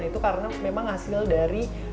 itu karena memang hasil dari